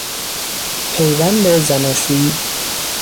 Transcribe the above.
پیوند زناشویی